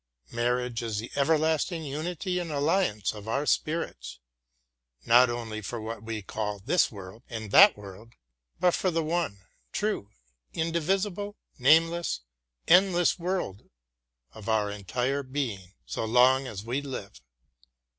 Marriage is the everlasting unity and alliance of our spirits, not only for what we call this world and that world, but for the one, true, indivisible, nameless, endless world of our entire being, so long as we live.